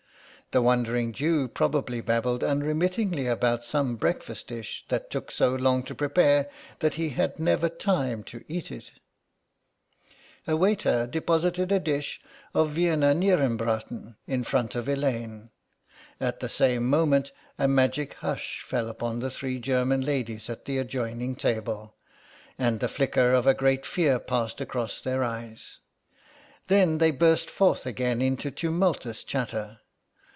The Wandering Jew probably babbled unremittingly about some breakfast dish that took so long to prepare that he had never time to eat it." A waiter deposited a dish of Wiener Nierenbraten in front of Elaine. At the same moment a magic hush fell upon the three German ladies at the adjoining table, and the flicker of a great fear passed across their eyes. Then they burst forth again into tumultuous chatter.